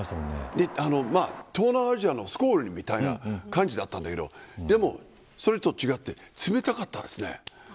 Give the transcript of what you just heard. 東南アジアのスコールみたいな感じだったんだけどそれとは違って冷たかったですね。